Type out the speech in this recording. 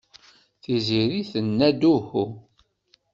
Tiziri tenna-d uhu.